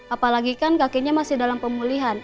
apalagi kan kakinya masih dalam pemulihan